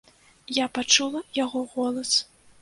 Я пачула яго голас.